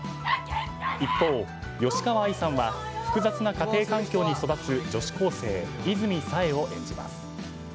一方、吉川愛さんは複雑な家庭環境に育つ女子高生、和泉冴を演じます。